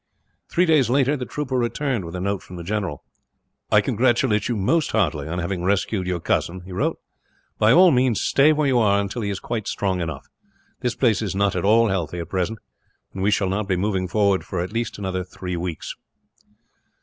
Three days later, the trooper returned with a note from the general. "I congratulate you most heartily on having rescued your cousin," he wrote. "By all means, stay where you are until he is quite strong again. This place is not at all healthy, at present. We shall not be moving forward for another three weeks."